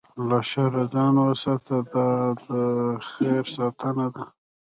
له شره ځان وساته، دا د خیر ساتنه ده.